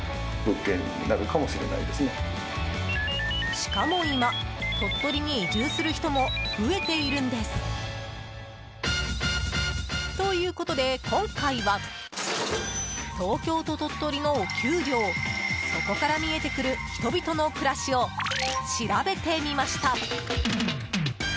しかも今、鳥取に移住する人も増えているんです。ということで、今回は東京と鳥取のお給料そこから見えてくる人々の暮らしを調べてみました。